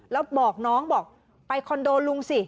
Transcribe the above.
แล้วบอกน้องบอกไปคอนโดลุงสิ